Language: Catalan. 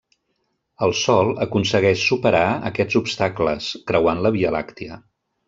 El sol aconsegueix superar aquests obstacles, creuant la Via Làctia.